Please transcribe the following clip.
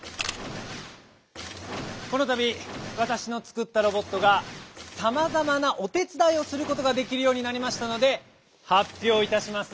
このたびわたしのつくったロボットがさまざまなおてつだいをすることができるようになりましたので発表いたします。